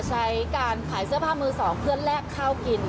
ใช้การขายเสื้อผ้ามือสองเพื่อแลกข้าวกิน